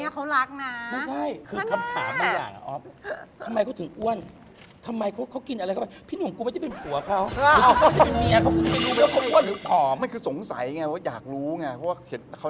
ตอนที่คุณส่งไปในรายการที่สุดตัวไม่มาใจยังต้องไป